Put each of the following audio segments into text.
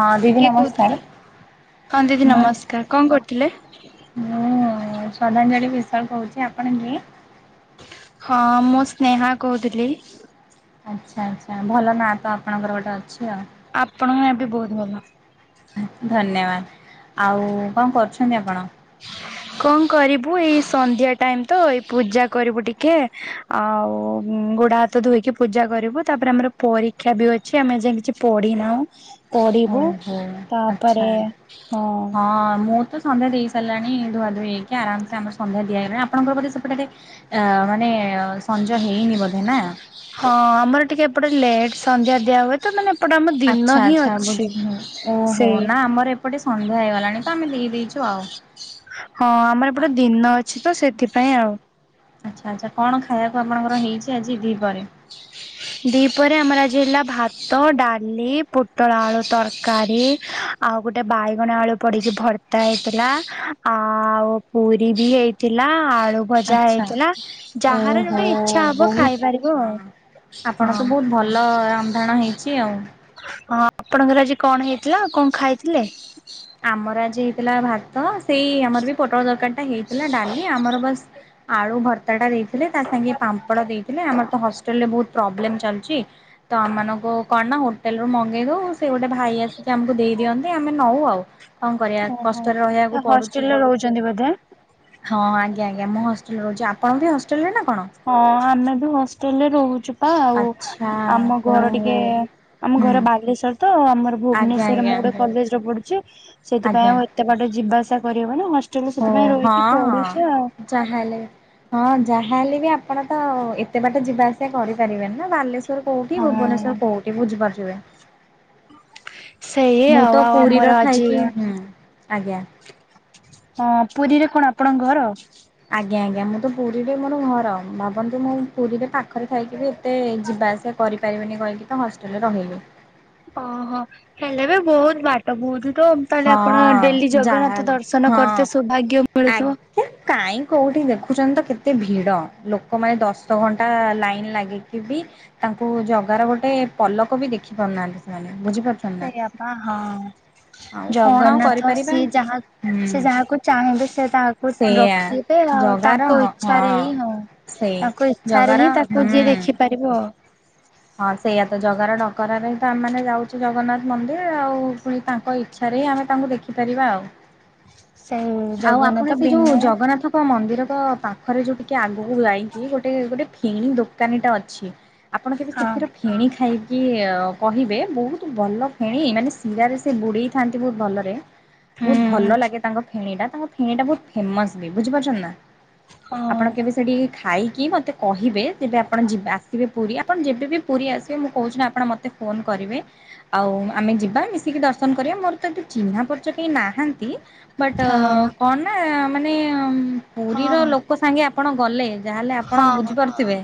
ହଁ କିଏ ଦିଦି କହୁଥିଲେ? ନମସ୍କାର। ହଁ ଦିଦି ମୁଁ ନମସ୍କାର କଣ କରୁଥିଲେ? ମୁଁ ଶ୍ରଦ୍ଧାଞ୍ଜଳି ବିଶ୍ୱାଳ କହୁଚି ଆପଣ କିଏ? ହଁ ମୁଁ ସ୍ନେହା କହୁଥିଲି। ନା ତ ଆପଣଙ୍କର ଗୋଟେ ଅଛି ଆଉ। ଆପଣଙ୍କ ଏବି ବହୁତ ଭଲ। ଧନ୍ୟବାଦ ଆଉ କଣ କରୁଛନ୍ତି ଆପଣ? କଣ କରିବୁ ଏଇ ସନ୍ଧ୍ୟା ଟାଇମ ତ ଏଇ ପୂଜା କରିବୁ ଟିକେ ଆଉ ଗୋଡା ହାତ ଧୋଇକି ପୂଜା କରିବୁ ତାପରେ ଆମର ପରୀକ୍ଷା ବି ଅଛି ଆମେ ଏଯାଏ କିଛି ପଢିନାହୁଁ। ପିଢିବୁ ଓହୋ ଆଚ୍ଛା। ତାପରେ ହଁ। ମୁଁ ତ ସନ୍ଧ୍ୟା ଦେଇ ସାରିଲାଣି ଧୁଆ ଧୋଇ ହେଇକି ଆରାମସେ ଆମର ସନ୍ଧ୍ୟା ଦିଆ ହେଇଲାଣି ଆପଣଙ୍କର ବୋଧେ ସେପଟେ ଆ ମାନେ ସଞ୍ଜ ହେଇନି ବୋଧେ ନା ହଁ ଆମର ଟିକେ ଏପଟେ ଲେଟ ସନ୍ଧ୍ୟା ଦିଆହୁଏ ତ ମାନେ ଏପଟେ ଆମ ଦିନ ଆଛା ହିଁ ଆଛା ଅଛି। ବୁଝିିନି ଓହୋ ସେଇ ନା ଆମର ଏପଟେ ସନ୍ଧ୍ୟା ହେଇଗଲାଣି ତ ଆମେ ଦେଇଦେଇଚୁ। ଥିବ ଆଉ। ହଁ ଆମର ଏପଟେ ଦିନ ଅଛି ତ ସେଥିପାଇଁ ଆଉ। ଆଛା ଆଛା କଣ ଖାଇବାକୁ ଆପଣଙ୍କର ହେଇଚି ଆଜି ଦିପରେ? ଦିପରେ ଆମର ଆଜି ହେଲା ଭାତ ଡାଲି ପୋଟଳ ଆଳୁ ତରକାରୀ ଆଉ ଗୋଟେ ବାଇଗଣ ଆଳୁ ପଡିକି ଭର୍ତ୍ତା ହେଇଥିଲା ଆଉ ପୁରୀ ବି ହେଇ ଥୀଲା ଆଳୁ ଭଜା ଆଚ୍ଛା ହେଇଥିଲା ଯାହାର ଓହୋ ଯୋଉଟା ଇଛା ହବ ବହୁତ ଖାଇ ପାରିବ ଆଉ। ହଁ। ଆପଣ ତ ବହୁତ ଭଲ ରନ୍ଧାଣ ହେଇଚି ଆଉ। ହ ଆପଣଙ୍କର ଆଜି କଣ ହେଇଥିଲା ଙ୍କ ଖାଇଥିଲେ? ଥିଲା ଭାତ ସେଇ ଆମର ବି ପୋଟଳ ଦରକାର ଟା ହେଇଥିଲା ଡାଲି ଆମର ବାସ୍ ଆଳୁ ଭର୍ତ୍ତାଟା ଦେଇଥିଲେ ତା ସାଙ୍ଗେ ପାମ୍ପଡ ଦେଇଥିଲେ ଆମର ତ ହଷ୍ଟେଲ୍ ରେ ବହୁତ ପ୍ରୋବ୍ଲେମ ଚାଲଚି ତ ଆମମାନଙ୍କୁ କଣ ନା ହୋଟେଲୁ ମଗେଇ ଦେଉ ସେ ଗୋଟେ ଭାଇ ଆସିକି ଆମକୁ ଦେଇଦିଅନ୍ତି ଆମେ ନଉ ଆଉ। କଣ କରିବା ଓହୋ କଷ୍ଟରେ ରହିବାକୁ ପଡୁଛି ଆଉ। ହଷ୍ଟେଲରେ ରହୁଚନ୍ତି ବୋଧେ ହଁ ଆଜ୍ଞା ଆଜ୍ଞା ମୁଁ ହଷ୍ଟେଲରେ ରହୁଛି ଆପଣ ବି ହଷ୍ଟେଲରେ ନା କଣ? ହଁ ଆମେ ବି ହଷ୍ଟେଲରେ ରହୁଚୁ। ତ ଆଉ ଆଚ୍ଛା ଆମ ଘର ଟିକେ ଓହୋ ଆମ ହୁଁ। ଘର ବାଲେଶ୍ୱର ତ ଆମର ଆଜ୍ଞା ଭୁବନେଶ୍ୱରରେ ଆଜ୍ଞା ମୁଁ ଗୋଟେ ଆଜ୍ଞା କଲେଜରେ ପଢୁଚି ସେଥିପାଇଁ ଆଜ୍ଞା ଆଉ ଏତେ ବାଟ ଯିବା ଆସିବା କରିହବନି ମୋ ସା ଓ ହଁ ହଁ ଚାହେଲେ ହଁ। ଯାହା ହେଲେ ବି ଆପଣ ତ ଏତେ ବାଟ ଯିବା ଆସି ସେ କରିପାରିବେନି ନା ବାଲେଶ୍ଵର କୋଉଠି ହଁ ଭୁବନେଶ୍ଵର କୋଉଠି ବୁଝିପାରୁ ଥିବେ। ସେଇ ମୁଁ ଆଉ ତ ଆଉ ଆମର ପୁରୀର ଆଜି ଥାଇକି ହଁ ଆଜ୍ଞା। ହଁ ପୁରୀରେ କଣ ଆପଣଙ୍କ ଘର ଆଜ୍ଞା ଆଜ୍ଞା ମୁଁ ତ ପୁରୀରେ ମୋର ଘର ଭାବନ୍ତୁ ମୁଁ ପୁରୀରେ ପାଖରେ ଖାଇକି ବି ଏତେ ଯିବା ଆସିବା କରିପାରିବିନି କହିକି ତ ହଷ୍ଟେଲରେ ରହିଲି। ଓହୋ ହେଲେ ବି ବହୁତ ବାଟ ବୋହୁ ତାହେଲେ ହଁ ଆପଣ ଡେଲି ଜଗନ୍ନାଥ ଯାହାହେଲେ ଦର୍ଶନ ହଁ କରୁଥେ ସୌଭାଗ୍ୟ ମିଳୁଥିବ। ଆଜ୍ଞା କାଇଁ କୋଉଠି ଦେଖୁଛନ୍ତି ତ କେତେ ଭିଡ ଲୋକମାନେ ଦଶ ଘଣ୍ଟା ଲାଇନ ଲାଗିକି ବି ତାଙ୍କୁ ଜଗାର ଗୋଟେ ପଲକ ବି ଦେଖି ପାରୁନାହାନ୍ତି ସେମାନେ। ବୁଝିପାରୁଛନ୍ତି ନା। ସେଇଆପା ହଁ ଆଉ କଣ ଆଉ ଜଗନ୍ନାଥ କରିପାରିବା ସିଏ ଯାହା ହୁଁ ସେ ଯାହାକୁ ଚାହିଁବେ ସେ ତାହାକୁ ସେଇଆ ରଖେଇିବେ ଆଉ ଜଗାର ତାଙ୍କ ହଁ ଇଛାରେ ହିଁ ହଁ। ସେଇ ତାଙ୍କ ଇଚ୍ଛାରେ ଜଗାର ହିଁ ହୁଁ ତାକୁ ଯିଏ ଦେଖିପାରିବ ଆଉ। ହଁ ସେଇଆ ତ ଜଗାର ଡଙ୍କରାରେ ହିଁ ତମ ମେ ଯାଉଛୁ ଜଗନ୍ନାଥ ମନ୍ଦିର ଆଉ ପୁଣି ତାଙ୍କ ଇଚ୍ଛା। ଆମେ ତାଙ୍କୁ ଦେଖିପାରିବା ଆଉ ସେଇ ଆଉ ଆପଣ ଜଗନ୍ନାଥ ସେ ଯୋଉ ବିନା ଜଗନ୍ନାଥଙ୍କ ମନ୍ଦିର ତ ପାଖରେ ଯୋଉ ଟିକେ ଆଗକୁ ଯାଇକି ଗୋଟେ ଗୋଟେ ଫେଣି ଦୋକାନୀ ଟା ଅଛି ଆପଣ ହଁ ସେଥିରେ ଫେଣି ଖାଇ କି କହିବେ ବହୁତ ଭଲ ଫେଣି ମାନେ ଶିରାରେ ସେ ବୁଡେଇଥାନ୍ତି ବହୁତ ଭଲରେ ବହୁତ ଭଲ ହୁଁ ଲାଗେ ତାଙ୍କ ଫେଣୀ ଟା ତାଙ୍କ ଫେଣୀ ଟା ବହୁତ ଫେମସ୍ ବି ବୁଝିପାରୁଛ ନା। ହଁ ଆପଣ କେବେ ସେଠିକି ଖାଇକି ମତେ କହିବେ ଯେବେ ଆପଣ ଯେ ଆସିବେ ପୁରୀ ଆପଣ ଯେ ପୁରୀ ଆସିବେ ମୁଁ କହୁଛି ଆପଣ ମତେ ଫୋନ କରିବେ ଆଉ ଆମେ ଯିବା ମିଶିକି ଦର୍ଶନ କରିବା ତ ଚିହ୍ନା ପର୍ଚ କେହି ନାହାନ୍ତି ବଟ୍ ହଁ କଣ ନା ମାନେ ହଁ ପୁରୀର ହଁ ଲୋକ ସାଙ୍ଗେ ଆପଣ ଗଲେ ଯାହାହେଲେ ଆପଣ ହଁ ବୁଝିପାରୁଥିବେ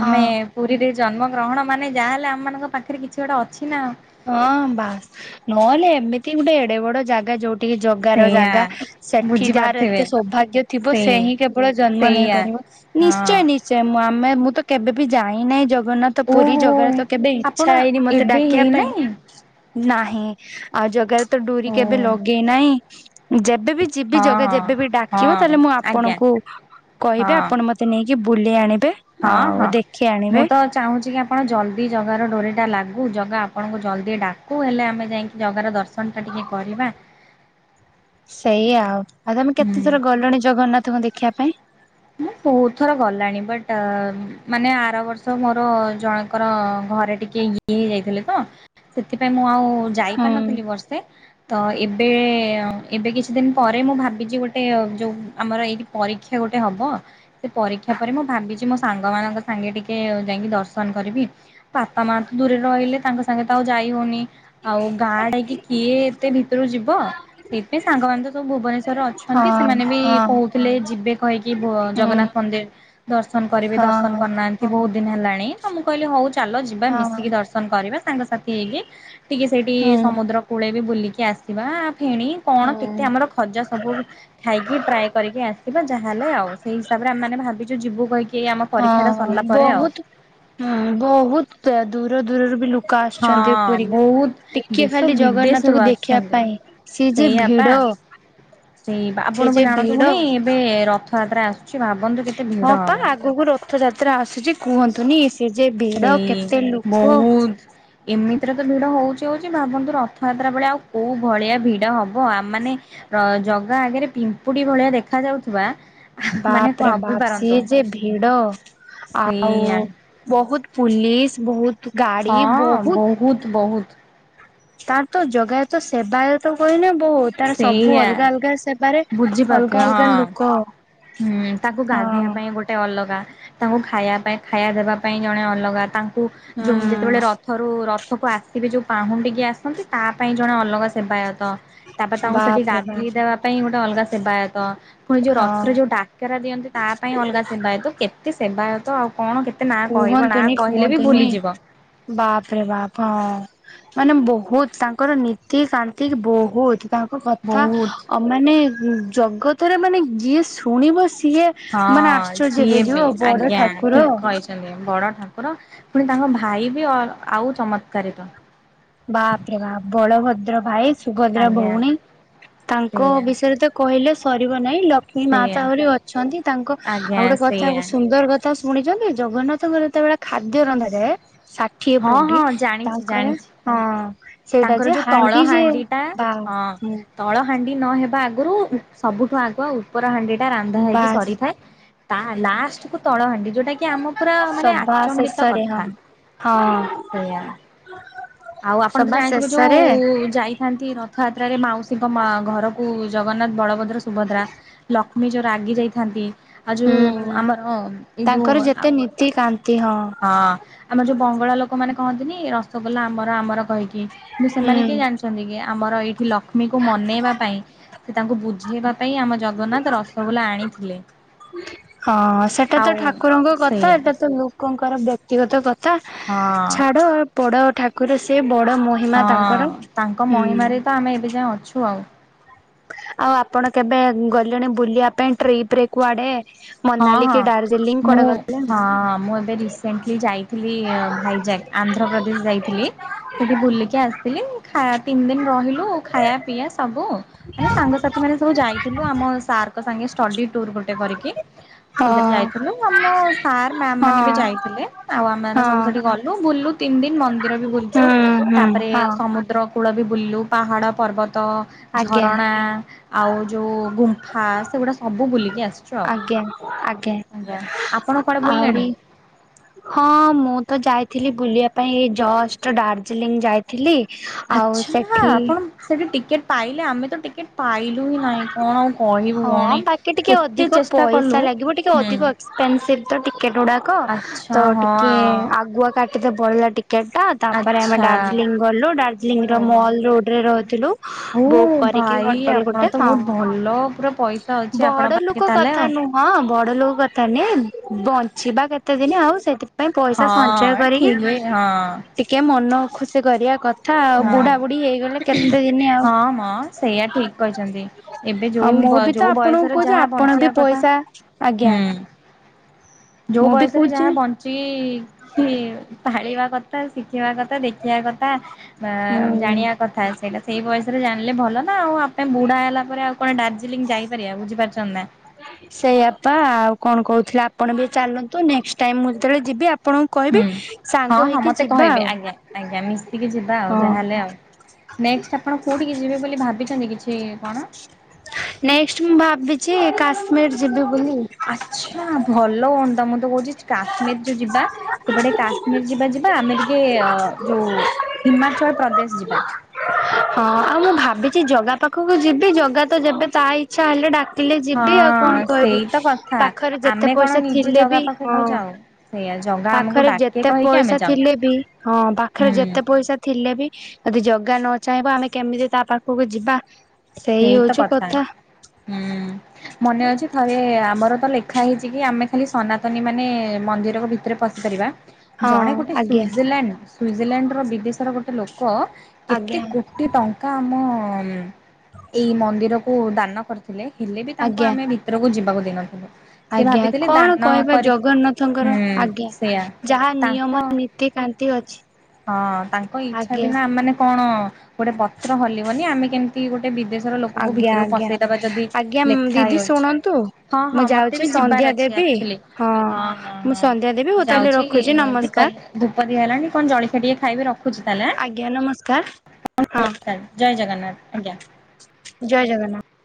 ହଁ। ପୁରୀରେ ଜନ୍ମ ଗ୍ରହଣ ମାନେ ଯାହାହେଲେ ଆମ ମାନଙ୍କ ପାଖରେ କିଛି ଗୋଟେ ଅଛି ନା ଆଉ। ହଁ ବାସ ନହେଲେ ଏମିତି ଗୋଟେ ଏଡେ ବଡ ଜାଗା ଯୋଉଠି ଟିକେ ଜଗାର ସେଇଆ ଜାଗା ସେଠି ଯାହାର ବୁଝିପାରୁଥିବେ ଏତେ ସୌଭାଗ୍ୟ ଥିବ ସେ ସେଇ ହିଁ କେବଳ ଜନ୍ମ ନେଇ ସେଇଆ ପାରିବ। ନିଶ୍ଚୟ ହଁ ନିଶ୍ଚୟ ମୁଁ ଆମ େ ମୁଁ ତ କେବେ ବି ଯାଇନାହିଁ ଜଗନ୍ନାଥ ପୁରୀ ଓହୋ ଜଗନ୍ନାଥ କେବେ ଇଚ୍ଛା ହେଇନି ମତେ ଡାକିବା ପାଇଁ ନାଇଁ ନାହିଁ ଆଉ ଜାଗାରେ ତ ଡୁରି ଓ କେବେ ଲଗେଇନାହିଁ ଯେ ଏବେ ବି ଯିବି ହଁ ଜଗେ ହଁ ଯେବେବି ଡାକିବ ହଁ ତାହେଲେ ମୁଁ ଆଜ୍ଞା ଆପଣଙ୍କୁ କହିବି ହଁ ଆପଣ ମତେ ନେଇକି କି ବୁଲି ଆଣି ହଁ ହଁ ମୁଁ ତ ଚାହୁଁଛି କି ଆପଣ ଜଲଦି ଜଗାର ଡୋରି ଟା ଲାଗୁ ଜଗା ଆପଣଙ୍କୁ ଜଲ୍ଦି ଡାକୁ ହେଲେ ଆମେ ଯାଇକି ଜଗାର ଦର୍ଶନ ଟା ଟିକେ କରିବା। [inaudible] ସେଇ ଆଉ ଆଉ ତମେ କେତେ ହୁଁ। ଥର ଗଲଣି ଜଗନ୍ନାଥଙ୍କୁ ଦେଖିବା ପାଇଁ। ହୁଁ। ବହୁତ ଥର ଗଲାଣି ବଟ୍ ମାନେ ଆର ବର୍ଷ ମୋର ଜଣଙ୍କର ଘରେ ଟିକେ ଏ ହେଇ ଯାଇଥିଲେ ତ ସେଥିପାଇଁ ମୁଁ ଆଉ ହୁଁ। ଯାଇପାରିନଥିଲି ବର୍ଷେ ତ ଏବେ ଏବେ କିଛି ଦିନ ପରେ ମୁଁ ଭାବିଛି ଗୋଟେ ଯୋଉ ଆମର ଏଇଠି ପରୀକ୍ଷା ଗୋଟେ ଗେ ହବ ସେ ପରୀକ୍ଷା ପରେ ମୁଁ ଭାବିଛି ମୋ ସାଙ୍ଗ ମାନଙ୍କ ସାଙ୍ଗେ ଟିକେ ଯାଇକି ଦର୍ଶନ କରିବି। ବାପା ମା ତ ଦୂରରେ ରହିଲେ ତାଙ୍କ ସାଙ୍ଗେ ତ ଆଉ ଯାଇ ହଉନି। ଆଉ ଗାଁ ଟଡାକି କିଏ ଏତେ ଭିତରୁ ଯିବ ସେଇଥିାଇ ସାଙ୍ଗମାନୋନ ତ ସବୁ ଭୁବନେଶ୍ଵରରେ ଅଛନ୍ତି ସେମାନେ ବି କହୁଥିଲେ ଯିବେ। କି ଜଗନ୍ନାଥ ମନ୍ଦିର ଦର୍ଶନ କରିବି ଦର୍ଶନ କରିନାହାନ୍ତି ବହୁତ ଦିନ ହେଲାଣି ତ ମୁଁ କହିଲି ହଉ ଚାଲ ଯିବା ମିଶିକି ଦର୍ଶନ କରିବା ସାଙ୍ଗସାଥି ହେଇକି ଟିକେ ସେଇଠି ସମୁଦ୍ର କୂଳେ ବି ବୁଲ ଆସିବା ଫେଣି କଣ କେତେ ଆମର ଖଜା ସବୁ ଖାଇକି ଟ୍ରାଏ କରିକି ଆସିବା। ଚାହାେଲେ ଆଉ ସେଇ ହିସାବରେ ଆମେ ଭାବିଛୁ ଯିବୁ କହିକି ଏଇ ଆମ ପରୀକ୍ଷାଟା ହଁ ସରିଲା ପରେ ଆଉ ବହୁତ ହଁ ବହୁତ ଦୂର ଦୂରରୁ ବି ଲୋକ ଲୋକ ଆସୁଛନ୍ତି ହଁ ପୁରୀକୁ ବହୁତ ଟିକେ ଦେଶ ଖାଲି ବିଦେଶରୁ ଜଗନ୍ନାଥଙ୍କୁ ଦେଖିବା ଆସୁଛନ୍ତି ପାଇଁ ସିଏ ଯ ସେଇଆପା ଭିଡ ହଁ। ସେଇ ଆପଣଙ୍କୁ ଜାଣନ୍ତୁ ପୁଣି ଏବେ ରଥଯାତ୍ରା ଆସୁଛି। ଭାବନ୍ତୁ କେତେ ଭିଡ ହଁ ପା ହବ। ଆଗକୁ ରଥଯାତ୍ରା ଆସୁଛି କୁହନ୍ତୁନି କେ ଯେ ଭିଡ ସେଇ କେତେ ଲୋକ? ବହୁତ ଏମିତିରେ ତ ଭିଡ ହଉଛି ହଉଛି ଭାବନ୍ତୁ ରଥଯାତ୍ରା ବେଳେ ଆଉ କୋଉ ଭଳିଆ ଭିଡ ହବ ଆମ ମାନେ ତ ଜଗା ଆଗରେ ପିମ୍ପୁଡି ଭଳିଆ ଦେଖା ଯାଉଥିବା ମାନେ ବାପ ରେ ଭାବି ବାପ୍ ପାରନ୍ତୁ। ସିଏ ଯେ ଭିଡ ଆଉ ସେଇଆ ବହୁତ୍ ପୋଲିସ ବହୁତ୍ ହଁ ବହୁତ ବହୁତ ତାର ତ ଜଗାାୟ ତ ସେବାୟତ କହିଲେ ବହୁତ୍ ତାର ସବୁ ସେଇଆ ଅଲଗା ଅଲଗା ସେବା ତାରେ ଅଲଗା ବୁଝିପାରୁଥିବେ ଅଲଗା ହଁ। ଦୁଃଖ ହୁଁ ତାକୁ ଗାଧେଇବା ପାଇଁ ଗୋଟେ ଅଲଗା ତାଙ୍କୁ ଖାଇବା ପାଇଁ ଖାଇବା ଦେବା ପାଇଁ ଜଣେ ଅଲଗା ତା ଯେତେବେଳେ ରଥରୁ ରଥକୁ ଆସିବେ ଯୋଉ ପାହୁଣ୍ଡିକି ଆସନ୍ତି ତା ପାଇଁ ଜଣେ ଅଲଗା ସେବାୟତ ତାପରେ ହୁଁ ତାଙ୍କୁ ସେଠି ବାପରେ ଗାଧେଇ ବାପ ଦେବା ପାଇଁ ଗୋଟେ ଅଲଗା ସେବାୟତ ପୁଣି ଯୋଉ ରଥ ହଁ ଥରେ ଯୋଉ ଡାକରା ଦିଅନ୍ତି ତା ପାଇଁ ଅଲଗା ସେବାୟତ କେତେ ସେବାୟତ ଆଉ କଣ କେତେ ନାଁ କହିବ ନାଁ କୁହନ୍ତୁନି କହିଲେ ବି କୁହନ୍ତୁନି ଭୁଲିଯିବ ବାପ ରେ ବାପ ହଁ ମାନେ ବହୁତ ତାଙ୍କର ନୀତିକାନ୍ତି ବହୁତ ତାଙ୍କ କଥା ବହୁତ ମାନେ ଜଗତରେ ମାନେ ଯିଏ ଶୁଣିବ ସିଏ ମାନେ ହଁ ଆଶ୍ଚର୍ଯ୍ୟ ଯିଏ ବି ହେଇଯିବ ବଡ ଆଜ୍ଞା ଠାକୁର ଠିକ କହିଛନ୍ତି ବଡ ଠାକୁର ପୁଣି ତାଙ୍କ ଭାଇ ବି ଅ ଆଉ ଚମତ୍କାରିତ ବାପ୍ ରେ ବାପ୍ ବଳଭଦ୍ର ଭାଇ ସୁଭଦ୍ରା ଆଜ୍ଞା। ଭଉଣୀ ତାଙ୍କ ସେଇଆ ବିଷୟରେ ତ କହିଲେ ସରିବ ନାହିଁ ଲକ୍ଷ୍ମୀ ସେଇଆ ମାତା ଭଳି ଅଛନ୍ତି ତାଙ୍କ ଆଜ୍ଞା ଆଉ ଗୋଟେ କଥା ସେଇଆ ଗୋଟେ ସୁନ୍ଦର କଥା ଶୁଣିଛନ୍ତି ଜଗନ୍ନାଥଙ୍କର ଯେତେବେଳେ ଖାଦ୍ୟ ରନ୍ଧାଯାଏ ଷାଠିଏ ହଁ ପଉଡି ହଁ ଜାଣିଛି ତାଙ୍କର ଜାଣିଛି। ହଁ ସେଇଟା ତାଙ୍କର ଯେ ଯୋଉ ତଳ ଯେ ହାଣ୍ଡି ଟା ବା ହଁ ତଳ ହାଣ୍ଡି ନହେବା ଆଗ ଆଗରୁ ସବୁଠୁ ଆଗୁଆ ଉପର ହାଣ୍ଡି ଟା ରାନ୍ଧା ହେଇକି ବାସ୍ ସରିଥାଏ ତା ଲାଷ୍ଟ କୁ ତଳହାଣ୍ଡି [unintelligible] ଯୋଟ ସେଟା କି ଆମ ପୁରା ମାନେ ସଭା ଆଚମ୍ବିତ ଶେଷରେ ହଁ କଥା ହଁ ସେଇୟା ଆଉ ଆପଣ ତ ସଭା ଜାଣିଥିବେ ଯୋଉ ଶେଷରେ ଯାଇଥାନ୍ତି ରଥଯାତ୍ରାରେ ମାଉସୀଙ୍କ ମା ଘରକୁ ଜଗନ୍ନାଥ ବଳଭଦ୍ର ସୁଭଦ୍ରା ଲକ୍ଷ୍ମୀ ଯୋଉର ରାଗି ଯାଇଥାନ୍ତି ଆଉ ଯୋଉ ହୁଁ ଆମର ଏଇ ଯୋଉ ତାଙ୍କର ଯେତେ ନୀତି କାନ୍ତି ହଁ ଆମର ଯୋଉ ବଙ୍ଗଳା ଲୋକମାନେ କହନ୍ତିନି ରସଗୋଲା ଆମର ଆମର କହିକି କିନ୍ତୁ ସେମାନେ କିଏ ହୁଁ ଜାଣିଛନ୍ତି କି ଆମର ଏଇଠି ଲକ୍ଷ୍ମୀକୁ ମନେଇବା ପାଇଁ ସେ ତାଙ୍କୁ ବୁଝେଇବା ପାଇଁ ଆମ ଜଗା ଜଗନ୍ନାଥ ରସଗୋଲା ଆଣିଥିଲେ ହଁ ସେଟା ତ ଆଉ ଠାକୁରଙ୍କ କଥା ସେଇଆ ଏଇଟା ତ ଲୋକଙ୍କର ବ୍ୟକ୍ତିଗତ କଥା ତା ହଁ ଛାଡ ଆ ପଡ ଠାକୁର ସେ ବଡ ମହିମା ହଁ ତାଙ୍କର ତାଙ୍କ ହୁଁ ମହିମାରେ ତ ଆମେ ଏବେ ଯାଏଁ ଅଛୁ ଆଉ। ଆଉ ଆପଣ କେବେ ଗଲେଣି ବୁଲିବା ପାଇଁ ଟ୍ରିପ ରେ କୁଆଡେ? ହଁ ମନାଲୀ ହଁ କି ଦାର୍ଜିଲିଂ କୁଆଡେ ମୁଁ ଗଲେଣି? ହଁ ମୁଁ ଏବେ ରିସେଣ୍ଟଲି ଯାଇଥିଲି ଭାଇଜାକ୍ ଆନ୍ଧ୍ରପ୍ରଦେଶ ଯାଇଥିଲି ସେଠି ବୁଲିକି ଆସିଥିଲି ଖାଇବା ତିନି ଦିନ ରହିଲୁ ଖାଇବା ପିଇବା ସବୁ ମାନେ ସାଙ୍ଗସାଥି ମାନେ ସବୁ ଯାଇଥିଲୁ ଆମ ସାର୍ଙ୍କ ସାଙ୍ଗେ ଷ୍ଟଡି ଟୁର୍ ଗୋଟେ କରିକି ହଁ ସେଥି ଯାଇଥିଲୁ ଆମ ସାର୍ ମ୍ୟାମ୍ ମାନେ ବି ହଁ ଯାଇଥିଲେ ଆଉ ଆମେ ହଁ ସବୁ ସେଠି ଗଲୁ ବୁଲୁ ତି ତିନ ଦିନ ମନ୍ଦିର ବି ହୁଁ ବୁଲଚୁ ହୁଁ ତାପରେ ହଁ। ସମୁଦ୍ର କୂଳ ବି ବୁଲିଲୁ ପାହାଡ ପର୍ବତ ତ ଆଜ୍ଞା ଝରଣା ଆଉ ଯୋଉ ଗୁମ୍ଫା ସେଗୁଡା ସବୁ ବୁଲିକି ଆସିଛୁ ଆଉ ଆଜ୍ଞା ଆଜ୍ଞା ଆଜ୍ଞା ଆପଣ କୁଆଡେ ବୁଲିଲେଣି? ଆହୁରି ହଁ ମୁଁ ତ ଯାଇଥିଲି ବୁଲିବା ପାଇଁ ଜଷ୍ଟ ଦାର୍ଜିଲିଂ ଯାଇଥିଲି ଆଉ ଆଚ୍ଛା ସେଠି ଆପଣ ସେଠି ଟିକେଟ ପାଇଲେ ଆମେ ତ ଟିକେଟ ପାଇଲୁ ହିଁ ନାହିଁ କଣ ଆଉ କହିବୁ ହଁ ଭଉଣୀ ବାକି ଟିକେ କେତେ ଅଧିକ ଚେଷ୍ଟା ପଇସା କଲୁ ଲାଗିବ ଟିକେ ହୁଁ ଅଧିକ ଏକ୍ସପେନସିଭ ତ ଟିକେଟ ଗୁଡାକ। ଆଚ୍ଛା ତ ହଁ ଟିକେ ଆଗୁଆ କାଟିତେ ବଢିଲା ଟିକେ ଟ ଟା ତାପରେ ଆମେ ଆଚ୍ଛା ଦଡାର୍ଜିଲିଂ ଗଲୁ ଡାର୍ଜିଲିଂ ର ଓହୋ ମଲ ରୋଡରେ ରହୁଥିଲୁ ଓ ବୋକ୍ କରିକି ଭାଇ ହୋଟେଲ ଆପଣ ଗୋଟେ ତ ହଁ। ବହୁତ ଭଲ ପୁରା ପଇସା ଅଛି ବଡ ଆପଣଙ୍କ ପାଖେ ଲୋକ ତାହେଲେ କଥା ଆଉ। ନୁହଁ ବଡ ଲୋକ କଥା ନାଇଁ ବ ଯିବା କେତେ ଦିନ ଆଉ ସେଥିପାଇଁ ପଇସା ହଁ ସଞ୍ଚୟ କରିକି ଠିକ ବି ହଁ ଟିକେ ମନ ଖୁସି କରିବା କ ଥା ଆଉ ହଁ ବୁଢାବୁଢୀ ହେଇଗଲେ କେତେ ଦିନି ଆଉ। ହଁ ମ ସେଇଆ ଠିକ କହିଛନ୍ତି ଏବେ [inaudible] ଆ ଯୋଉ ମୁଁ ବି ତ ଯୋଉ ଆପଣଙ୍କୁ ବୟସରେ କୁହେ ଯେ ଯାହା ଆପଣ ବଞ୍ଚିବା ବି କଥା ପଇସା ଆଜ୍ଞା। ହୁଁ। ଯୋଉ ମୁଁ ବି ବୟସରେ କହୁଛି ଯାହା ବଞ୍ଚିକି କି ତାଳିବା କଥା ଶି ଶଖିବା କଥା ଦେଖିବା କଥା ଜାଣିବା ହୁଁ। କଥା ସେଇଟା ସେଇ ବୟସରେ ଜାଣିଲେ ଭଲ ନା ନା ଆଉ ଆପେ ବୁଢା ହେଲା ପରେ ଆଉ କଣ ଡାର୍ଜିଲିଂ ଯାଇପାରିବା ବୁଝିପାରୁଚନ୍ତି ନା। ସେଇଆପା ଆଉ କଣ କହୁଥିଲେ ଆପଣ ବି ଚାଲନ୍ତୁ ନେକ୍ଟ ଟାଇ ମୁଁ ଯେତେବେଳେ ଯିବି ଆ ହୁଁ ହଁ ହଁ ମତେ କହିବେ ଆଉ ଆଜ୍ଞା ଆଜ୍ଞା ମିଶିକି ଯିବା ଆଉ ହଁ। ଯାହାହେଲେ ଆଉ। ନେକ୍ସଟ୍ ଆପଣ କୋଉଠିକି ଯିବେ ବୋଲି ଭାବିଛନ୍ତି କିଛି କଣ? ନେକ୍ସଟ ମୁଁ ଭାବିଛି କାଶ୍ମୀର ଯିବି ବୋଲି ଆଛା ଭଲୋ ତମ ତ କୋହୁଚି କାଶ୍ମୀର ଯୋଉ ଯିବା। ସେପଟେ କାଶ୍ମୀର ଯିବା ଯିବା ଆମେ ଟିକେ ଅ ଯୋଉ ହିମାଚଳ ପ୍ରଦେଶ ଯିବା। ହଁ ଆଉ ମୁଁ ଭାବିଚି ଜଗା ପାଖକୁ ଯିବି ଜଗା ତ ଯେବେ ତା ଇଚ୍ଛା ହେଲେ ଡା କିଲେ ଯିବି ଆଉ ହଁ କଣ କହିବି ସେଇ ତ କଥା ପାଖରେ ଯେତେ ଆମେ ପଇସା ଥିଲେ ବି ହଁ। ଇଆ ଜଗା ଆମକୁ ପାଖରେ ଡାକେ ଯେତେ କହିକି ଆମେ ପଇସା ଯାଉ ଥିଲେ ବି ହଁ ପାଖରେ ହୁଁ ଯେତେ ପଇସା ଥିଲେ ବି ଯଦି ଜଗା ନ ଚାହିଁବ ଆମେ କେମିତି ତା ପାଖକୁ ଯିବା। ସେଇ ସେଇତ ହଉଛୁ କଥା ହୁଁ ମନେ ଅଛି ଥରେ ଆମର ତ ଲେ ଖା ହେଇଚି କି ଆମେ ଖାଲି ସନାତନୀ ମାନେ ମନ୍ଦିର କୁ ଭିତରେ ପଶିପାରିବା। ହଁ ଜଣେ ଗୋଟେ ଆଜ୍ଞା ସୁିଇଜରଲ୍ୟାଣ୍ଡ ସୁଇଜରଲ୍ୟାଣ୍ଡର ବିଦେଶର ଗୋଟେ ଲୋକ ଆଜ୍ଞା କେତେ କୋଟି ଟଙ୍କା ଆମ ଉଁ ଏଇ ମନ୍ଦିରକୁ ଦାନ କରିଥିଲେ ହେଲେ ବି ତାଙ୍କୁ ଆଜ୍ଞା ଆମେ ଭିତରକୁ ଯିବାକୁ ଦେଇନଥିଲୁ। ସେ ଆଜ୍ଞା ଭାବିଥିଲେ କଣ ଦାନ କହିବା କରିକି ଜଗନ୍ନାଥଙ୍କର ହୁଁ ଆଜ୍ଞା ସେଇୟା ଯାହା ତାଙ୍କ ନିୟମ ନୀତିକା କାନ୍ତି ଅଛି। ହଁ ତାଙ୍କ ଇଚ୍ଛା ଆଜ୍ଞା ବିନା ଆମ ମାନେ କଣ ଗୋଟେ ପତ୍ର ହଲିବନି ଆମେ କେମିତି ଗୋଟେ ବିଦେଶ ଲୋକଙ୍କୁ ଆଜ୍ଞା ଭିତରକୁ ଆଜ୍ଞା ପସେଇଦବା ଯଦି ଆଜ୍ଞା ଲେଖା ଦିଦି ହେଇଅଛି। ଶୁଣନ୍ତୁ ହଁ ମୁଁ ହଁ ମତେ ଯାଉଛି ବି ସନ୍ଧ୍ୟା ଯିବାର ଅଛି ଦେବି ଆକଚୁଲି ହଁ ହଁ ମୁଁ ହଁ ସନ୍ଧ୍ୟା ଦେବି ମୁଁ ହଉ ତାହେଲେ ଯାଉଛି ରଖୁଛି ଦୀପା ନମସ୍କାର ଧୂପ ଦିଆ ହେଲାଣି କଣ ଜଳଖିଆ ଟିକେ ଖାଇବେ ର ରଖୁଛି ତାହେଲେ ଆଜ୍ଞା ନମସ୍କାର ଆଁ ନମସ୍କାର ଜୟ ଜଗନ୍ନାଥ ଆଜ୍ଞା। ଜୟେ ଜଗନ୍ନାଥ।